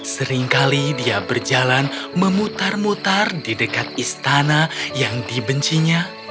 seringkali dia berjalan memutar mutar di dekat istana yang dibencinya